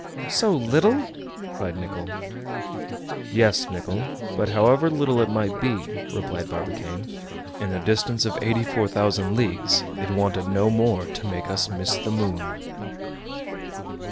"So little?" cried Nicholl. "Yes, Nicholl; but however little it might be," replied Barbicane, "in a distance of 84,000 leagues, it wanted no more to make us miss the moon."